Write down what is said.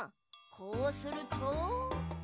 こうすると。